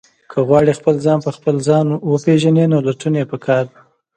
که غواړئ خپل ځان په خپل ځان وپېژنئ، نو لټون یې پکار دی.